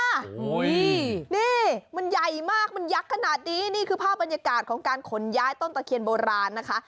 โอ้โหนี่มันใหญ่มากมันยักษ์ขนาดนี้นี่คือภาพบรรยากาศของการขนย้ายต้นตะเคียนโบราณนะคะ